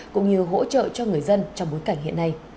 cũng như hỗ trợ cho người dân trong bối cảnh hiện nay